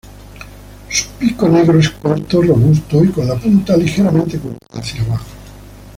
Su pico negro es corto, robusto y con la punta ligeramente curvada hacia abajo.